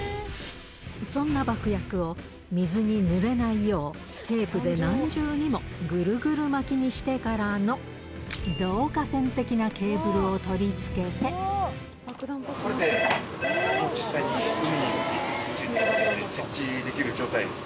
そんな爆薬を水にぬれないよう、テープで何重にもぐるぐる巻きにしてからの導火線的なケーブルをこれで、実際に海に持っていき、水中に設置できる状態です。